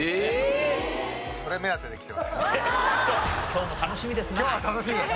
今日も楽しみですな。